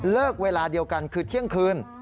เวลาเดียวกันคือเที่ยงคืน